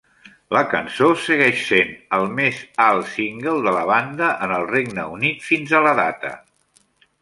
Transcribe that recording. La cançó segueix sent el més alt single de la banda en el Regne Unit fins a la data.